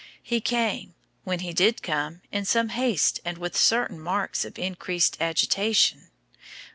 He came, when he did come, in some haste and with certain marks of increased agitation.